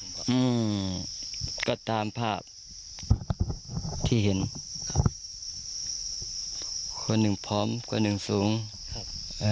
อืมก็ตามภาพที่เห็นครับคนหนึ่งพร้อมคนหนึ่งสูงครับเอ่อ